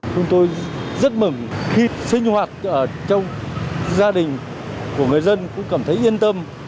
chúng tôi rất mừng khi sinh hoạt ở trong gia đình của người dân cũng cảm thấy yên tâm